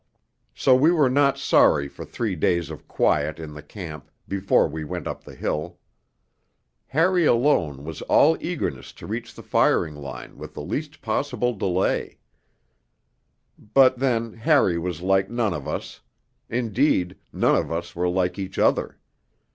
So we were not sorry for three days of quiet in the camp before we went up the hill; Harry alone was all eagerness to reach the firing line with the least possible delay. But then Harry was like none of us; indeed, none of us were like each other.